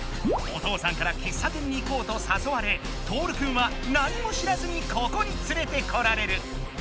お父さんから喫茶店に行こうとさそわれとおるくんは何も知らずにここにつれてこられる。